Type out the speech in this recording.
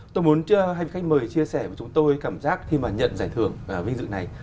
tôi muốn hai khách mời chia sẻ với chúng tôi cảm giác khi mà nhận giải thưởng vinh dự này